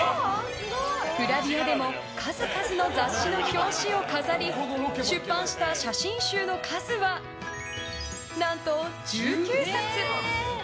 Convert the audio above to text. グラビアでも数々の雑誌の表紙を飾り出版した写真集の数は何と１９冊！